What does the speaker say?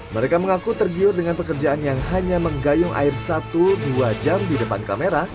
mereka mengaku tergiur dengan pekerjaan yang hanya menggayung air satu dua jam di depan kamera